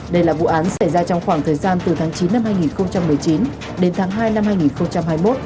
đây là vụ án xảy ra trong khoảng thời gian từ tháng chín năm hai nghìn một mươi chín đến tháng hai năm hai nghìn hai mươi một